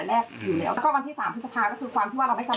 โดยช่วยหารู้เรียนได้